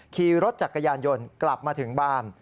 ขี่รถจักรยานยนต์กลับมาถึงบ้าน